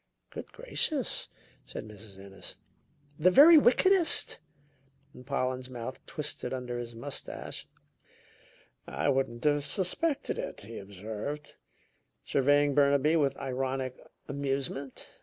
"Good gracious!" said Mrs. Ennis. "The very wickedest!" Pollen's mouth twisted under his mustache. "I wouldn't have suspected it," he observed, surveying Burnaby with ironic amusement.